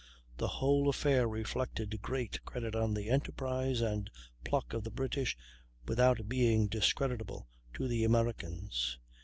The whole affair reflected great credit on the enterprise and pluck of the British without being discreditable to the Americans.